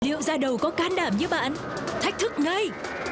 liệu da đầu có can đảm như bạn thách thức ngay